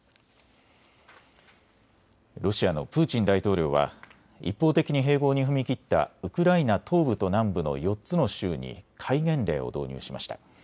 ロシアのプーチン大統領は一方的に併合に踏み切ったウクライナ東部と南部の４つの州に戒厳令を導入しました。